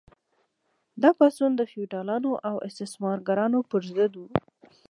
دا پاڅون د فیوډالانو او استثمارګرانو پر ضد و.